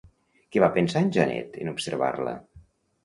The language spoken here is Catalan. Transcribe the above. Què va pensar en Janet en observar-la?